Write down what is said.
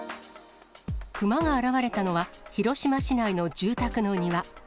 クマが現れたのは、広島市内の住宅の庭。